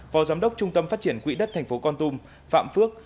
phó giám đốc trung tâm phát triển quỹ đất thành phố con tum phạm phước